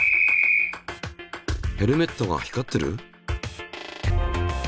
ヘルメットが光ってる？